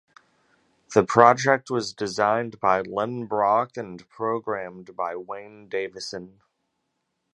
The Project was designed by Lynn Brock and programmed by Wayne Davison.